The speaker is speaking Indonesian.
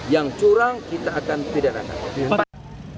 yang curang kita akan pidanakan